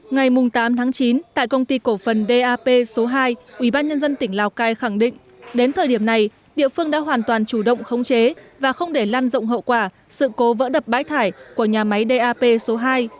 ngày tám chín tại công ty cổ phần dap số hai ubnd tỉnh lào cai khẳng định đến thời điểm này địa phương đã hoàn toàn chủ động khống chế và không để lan rộng hậu quả sự cố vỡ đập bãi thải của nhà máy dap số hai